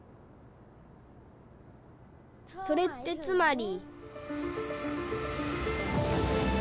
それってつまり。